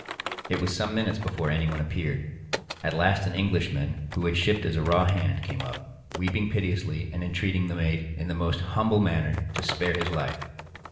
It was some minutes before any one appeared:—at last an Englishman, who had shipped as a raw hand, came up, weeping piteously, and entreating the mate, in the most humble manner, to spare his life.